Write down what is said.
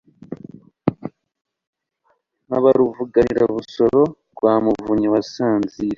Nkaba Ruvuganira-busoro Rwa Muvunyi wa Sanzire